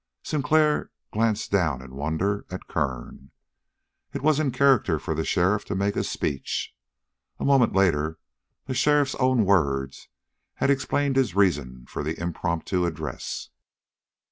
Sinclair glanced down in wonder at Kern. It was in character for the sheriff to make a speech. A moment later the sheriff's own words had explained his reason for the impromptu address.